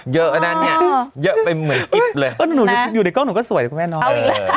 เยอะอยู่ในกล้องหนูก็สวยครับคุณแม่น้อย